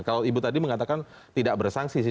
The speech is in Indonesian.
kalau ibu tadi mengatakan tidak bersangsi sih